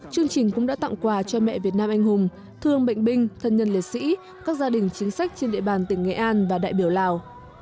chương trình cũng đã tặng quà cho mẹ việt nam anh hùng thương bệnh binh thân nhân liệt sĩ các gia đình chính sách trên địa bàn tỉnh nghệ an và đại biểu lào